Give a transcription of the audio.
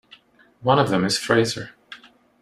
One of them is Fraser.